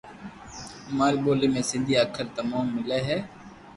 اماري ٻولي ۾ سندي اکر تموم ملي ھي